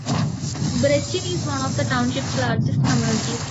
Brechin is one of the townships largest communities.